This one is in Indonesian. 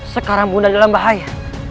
sekarang bunda dalam bahaya